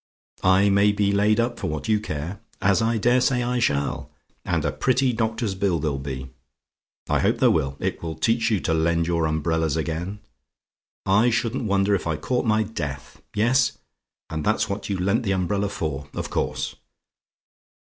I may be laid up for what you care, as I daresay I shall and a pretty doctor's bill there'll be. I hope there will! It will teach you to lend your umbrellas again. I shouldn't wonder if I caught my death; yes: and that's what you lent the umbrella for. Of course!